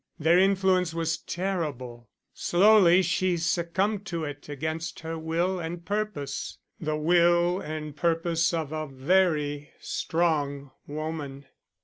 Their influence was terrible; slowly she succumbed to it against her will and purpose, the will and purpose of a very strong woman.